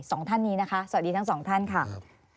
สองท่านนี้นะคะสวัสดีทั้งสองท่านค่ะ